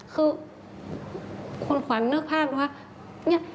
คือคุณขวัญนึกภาพรู้ไหม